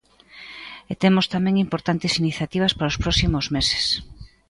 E temos tamén importantes iniciativas para os próximos meses.